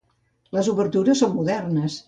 Les obertures són modernes.